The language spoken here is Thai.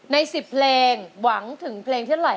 ใน๑๐เพลงหวังถึงเพลงที่เท่าไหร